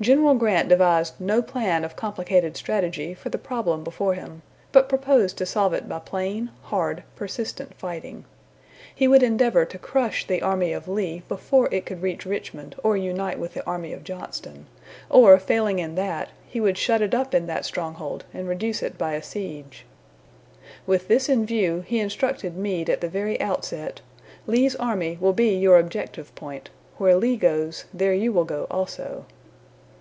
General Grant devised no plan of complicated strategy for the problem before him, but proposed to solve it by plain, hard, persistent fighting. He would endeavor to crush the army of Lee before it could reach Richmond or unite with the army of Johnston; or, failing in that, he would shut it up in that stronghold and reduce it by a siege. With this in view, he instructed Meade at the very outset: "Lee's army will be your objective point. Where Lee goes, there you will go, also."